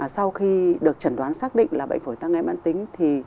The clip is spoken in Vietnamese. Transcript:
sau khi được chẩn đoán xác định là bệnh phổi tắc nhém mạng tính thì